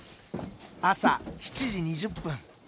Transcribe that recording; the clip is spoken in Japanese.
朝７時２０分。